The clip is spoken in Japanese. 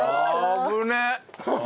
危ねえ！